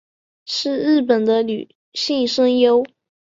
是日本的女性声优。